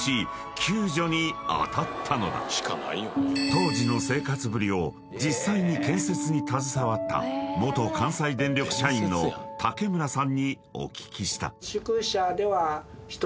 ［当時の生活ぶりを実際に建設に携わった元関西電力社員の竹村さんにお聞きした］